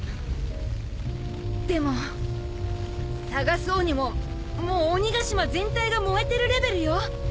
でも捜そうにももう鬼ヶ島全体が燃えてるレベルよ！